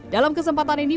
dalam kesempatan ini